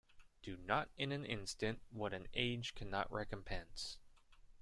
Do not in an instant what an age cannot recompense.